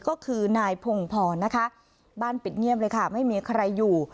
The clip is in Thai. ก็คือนายพงพรนะคะบ้านปิดเงียบเลยค่ะไม่มีใครอยู่